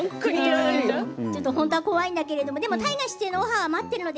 本当は怖いんだけどでも大河出演のオファーは待っているんだ